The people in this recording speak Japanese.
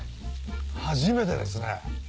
初めてですね。